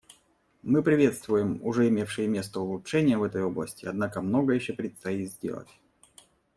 Мы приветствуем уже имевшие место улучшения в этой области, однако многое еще предстоит сделать.